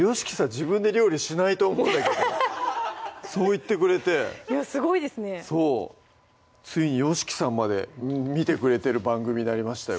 自分で料理しないと思うんだけどそう言ってくれていやすごいですねそうついにＹＯＳＨＩＫＩさんまで見てくれてる番組になりましたよ